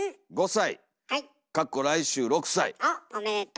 あっおめでとう。